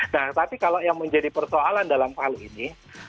nah tapi kalau yang menjadi persoalan dalam hal ini